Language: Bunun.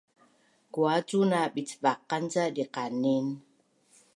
Kuacuna bicvaqan ca diqanin?